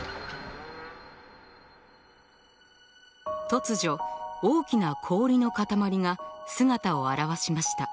突如大きな氷の塊が姿を現しました。